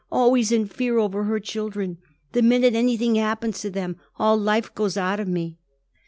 always in fear over her children. The minute anything happens to them all life goes out of me.